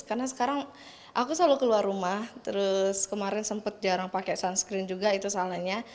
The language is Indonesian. karena sekarang aku selalu keluar rumah terus kemarin sempat jarang pakai sunscreen juga itu salahnya